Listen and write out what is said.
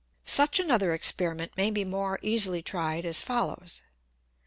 Such another Experiment may be more easily tried as follows.